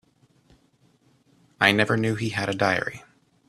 I never knew he had a diary.